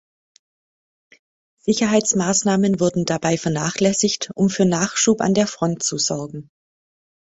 Sicherheitsmaßnahmen wurden dabei vernachlässigt, um für Nachschub an der Front zu sorgen.